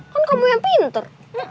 kan kamu yang pinter